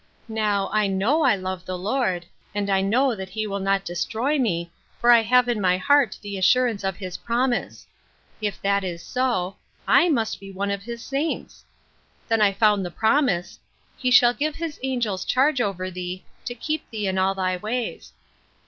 Now, I know I love the Lord, and I know that he will not destroy me, for I have in my heart the assurance of his promise. If that is so, 1 must be one of his saints. Then I found the promise, ' He shall give his angels charge over thee, to keep thee in all thy ways.'